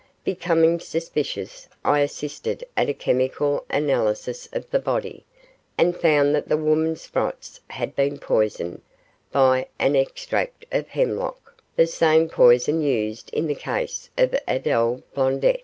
Becoming suspicious, I assisted at a chemical analysis of the body, and found that the woman Sprotts had been poisoned by an extract of hemlock, the same poison used in the case of Adele Blondet.